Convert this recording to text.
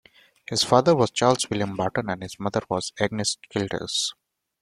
His father was Charles William Barton and his mother was Agnes Childers.